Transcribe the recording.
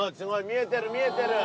見えてる見えてる！